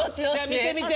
見て見て。